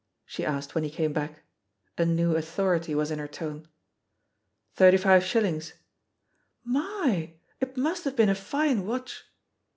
she asked when he came back. A new authority ^as in her tone. "Thirty five shillings/^ "My! It must have been a fine watch."